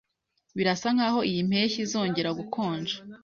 Birasa nkaho iyi mpeshyi izongera gukonja